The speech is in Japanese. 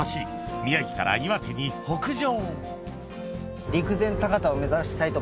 宮城から岩手に北上△蕁。